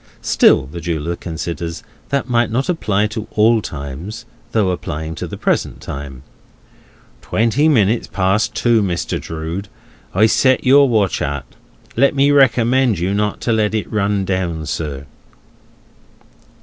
Still (the jeweller considers) that might not apply to all times, though applying to the present time. "Twenty minutes past two, Mr. Drood, I set your watch at. Let me recommend you not to let it run down, sir."